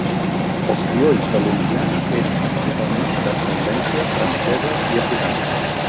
Els criolls de Louisiana eren principalment d'ascendència francesa i africana.